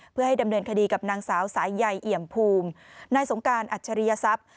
เพื่อให้ดำเนินคดีกับนางสาวสายใยเอี่ยมภูมินายสงการอัจฉริยทรัพย์